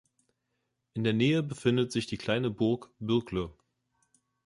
In der Nähe befindet sich die kleine Burg Bürgle.